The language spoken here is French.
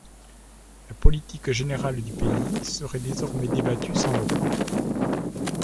La politique générale du pays serait désormais débattue sans le roi.